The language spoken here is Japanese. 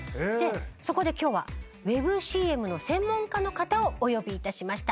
そこで今日はＷｅｂＣＭの専門家の方をお呼びいたしました。